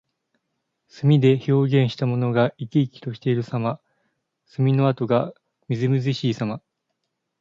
墨で表現したものが生き生きしているさま。墨の跡がみずみずしいさま。